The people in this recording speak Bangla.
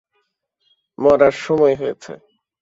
মরার সময় হয়েছে।